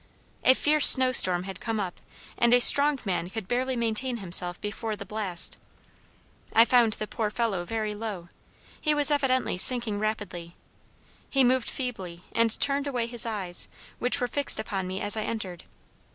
A fierce snow storm had come up and a strong man could barely maintain himself before the blast. I found the poor fellow very low. He was evidently sinking rapidly. He moved feebly and turned away his eyes, which were fixed upon me as I entered.